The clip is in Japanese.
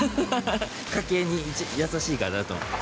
家計に優しいかなと。